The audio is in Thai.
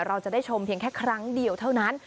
เราจะได้ชมเพียงแค่ครั้งเดียวเท่านั้น